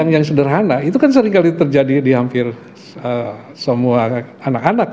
yang sederhana itu kan seringkali terjadi di hampir semua anak anak